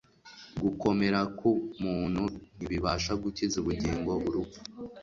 gukomera k'umuntu ntibibasha gukiza ubugingo urupfu;